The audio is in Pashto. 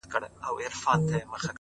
• زه نو بيا څنگه مخ در واړومه؛